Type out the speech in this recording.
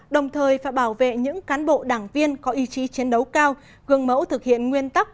đồng thời phải bảo vệ những cán bộ đảng viên có ý chí chiến đấu cao gương mẫu thực hiện nguyên tắc